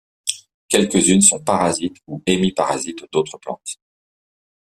Quelques-unes sont parasites ou hémiparasites d'autres plantes.